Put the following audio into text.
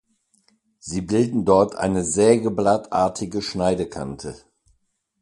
Sie bilden dort eine sägeblattarige Schneidekante.